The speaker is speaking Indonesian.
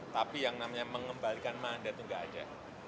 tapi yang namanya mengembalikan mandat itu nggak ada